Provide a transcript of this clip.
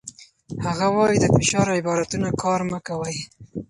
هغه وايي، د فشار عبارتونه کار مه کوئ.